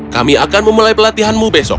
kami akan memulai pelatihanmu besok